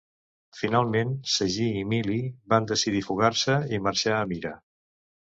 Finalment, Sagi i Milly van decidir fugar-se i marxar a Mira.